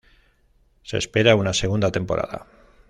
Se espera una segunda temporada.